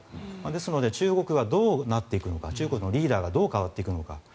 ですので中国がどうなっていくのか中国のリーダーがどう変わっていくのか。